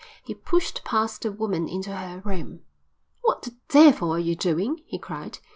He pushed past the woman into her room. "What the devil are you doing?" he cried.